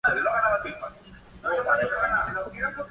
En su larga carrera, ha recibido numerosos premios.